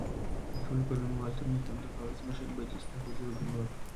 د ټولو ګډونوالو ترمنځ د امریکا ولسمشر برجسته حضور درلود